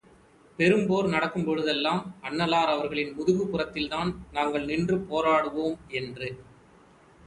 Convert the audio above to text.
பெரும் போர் நடக்கும் பொழுதெல்லாம், அண்ணலார் அவர்களின் முதுகுப்புறத்தில்தான் நாங்கள் நின்று போராடுவோம் என்று.